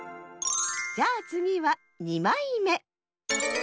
じゃあつぎは２まいめ。